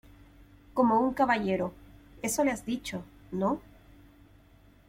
como un caballero. ¿ eso le has dicho, no?